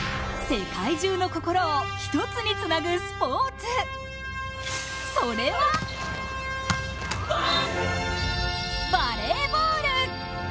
世界中の心を一つにつなぐスポーツ、それはバレーボール。